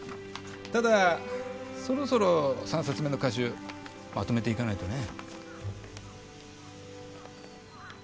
ただそろそろ３冊目の歌集まとめていかないとね。